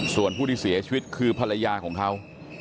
ส่วนผู้ที่เสียชีวิตคือภรรยาของเขา